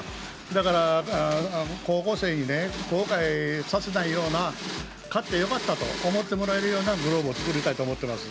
だから高校生に後悔させないような買って良かったと思ってもらえるようなグローブを作りたいと思います。